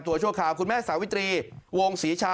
ก็ตอบได้คำเดียวนะครับ